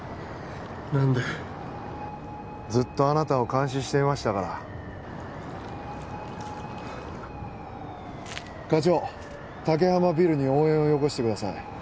何でずっとあなたを監視していましたから課長竹浜ビルに応援をよこしてください